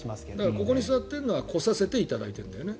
ここに座ってるのは来させていただいてるんだよね。